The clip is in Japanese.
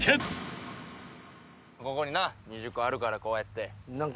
ここにな２０個あるからこうやって。